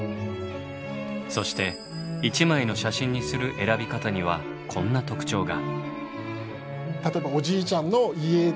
そして１枚の写真にする選び方にはこんな特徴が。